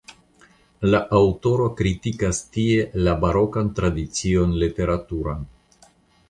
La aŭtoro kritikas tie la barokan tradicion literaturan.